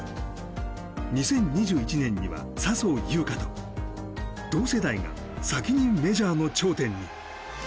２０２１年には笹生優花と同世代が先にメジャーの頂点に。